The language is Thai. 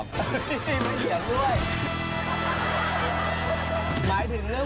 พี่บ้าเผียบด้วย